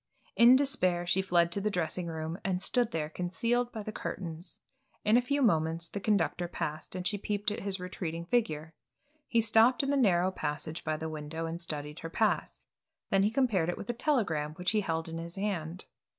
In despair she fled to the dressing room and stood there concealed by the curtains. In a few moments the conductor passed, and she peeped at his retreating figure. He stopped in the narrow passage by the window and studied her pass, then he compared it with a telegram which he held in his hand.